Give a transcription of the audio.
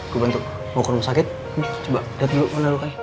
gue bantu mau ke rumah sakit coba liat dulu mana lo kaya